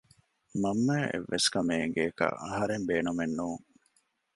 މަންމައަށް އެއްވެސް ކަމެއް އެނގޭކަށް އަހަރެން ބޭނުމެއް ނޫން